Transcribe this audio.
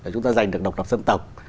chúng ta giành được độc độc dân tộc